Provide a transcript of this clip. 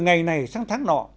từ ngày này sang tháng nọ